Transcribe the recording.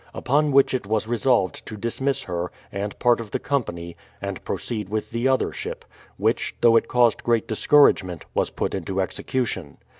Upon which it was resolved to dismiss her, and part of the company, and proceed with the other ship ; which, though it caused great discourage ment, was put into execution.